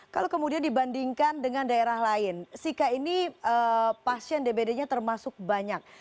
kalau kemudian dibandingkan dengan daerah lain sika ini pasien dbd nya termasuk banyak